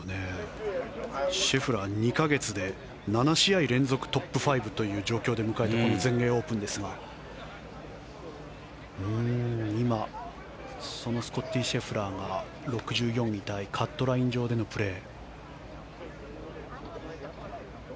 シェフラー、２か月で７試合連続トップ５という状況で迎えたこの全英オープンですが今、そのスコッティー・シェフラーが６４位タイカットライン上でのプレー。